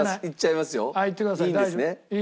いってください。